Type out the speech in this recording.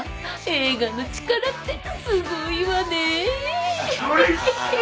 映画の力ってすごいわねぇ！